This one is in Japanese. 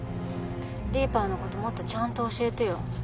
リーパーのこともっとちゃんと教えてよ